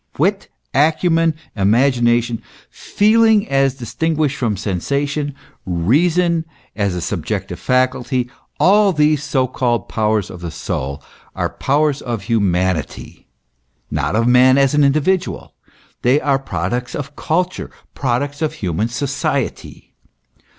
Wit, acumen, imagination, feeling as distinguished from sensation, reason as a subjective faculty, all these so called powers of the soul, are powers of humanity, not of man as an individual ; they are products of culture, products of human society.